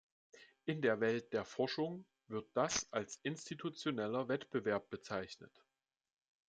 In der Welt der Forschung wird das als institutioneller Wettbewerb bezeichnet.